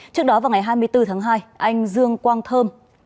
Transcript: trước đó vào ngày hai mươi bốn tháng hai anh dương quang thơm